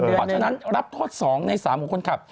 เพราะฉะนั้นรับโทษ๒ใน๓ของคนขับ